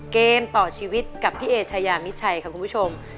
เกมต่อชีวิตกับพี่เอชายามิชัยค่ะคุณผู้ชม